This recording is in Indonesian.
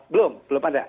belum belum ada